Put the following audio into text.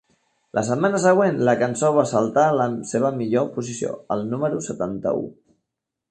La setmana següent, la cançó va saltar a la seva millor posició al número setanta-u.